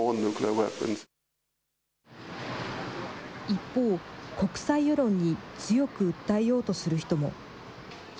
一方、国際世論に強く訴えようとする人も。